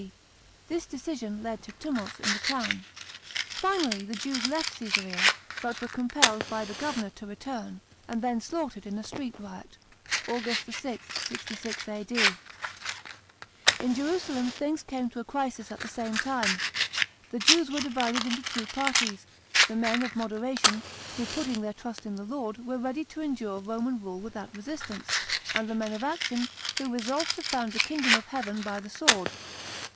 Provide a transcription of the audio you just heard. D.). This decision led to tumults in the town. Finally the Jews left Csesaiea, but were 368 REBELLIONS IN GERMANY AND JUDEA. CHAP. xx. compelled by tne governor to return, and then slaughtered in a street riot (Aug. 6, 66 A.D.). In Jerusalem, things came to a crisis at the same time. The Jews were divided into two parties ; the men of moderation, who, putting their trust in the Lord, were ready to endure Roman rule without resistance, and the men of action, who resolved to found the kingdom of heaven by the sword.